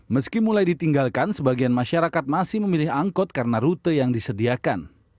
meski mulai ditinggalkan sebagian masyarakat masih memilih angkot karena rute yang disediakan